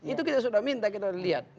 itu kita sudah minta kita lihat